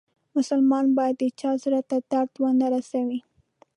مسلمان باید د چا زړه ته درد و نه روسوي.